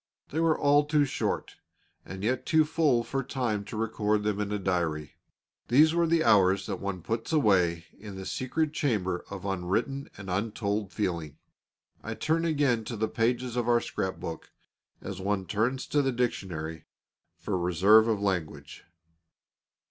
They were all too short, and yet too full for time to record them in a diary. These were the hours that one puts away in the secret chamber of unwritten and untold feeling. I turn again to the pages of our scrap book, as one turns to the dictionary, for reserve of language.